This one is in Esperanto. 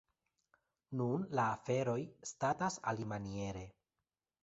Nun la aferoj statas alimaniere.